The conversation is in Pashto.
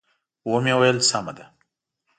و مې ویل: سمه ده.